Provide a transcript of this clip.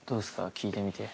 聞いてみて。